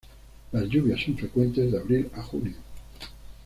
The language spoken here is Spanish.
Las lluvias son frecuentes de abril a junio.